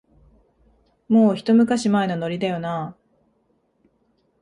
もう、ひと昔前のノリだよなあ